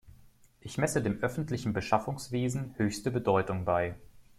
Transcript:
Ich messe dem öffentlichen Beschaffungswesen höchste Bedeutung bei.